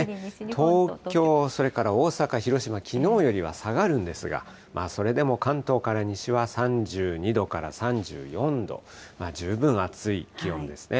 東京、それから大阪、広島、きのうよりは下がるんですが、それでも関東から西は３２度から３４度、十分暑い気温ですね。